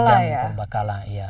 dari zaman purba kala iya